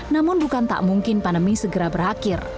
namun bukan tak mungkin pandemi segera berakhir